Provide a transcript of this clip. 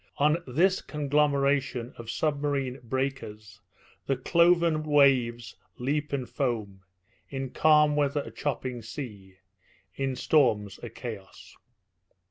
On this conglomeration of submarine breakers the cloven waves leap and foam in calm weather, a chopping sea; in storms, a chaos.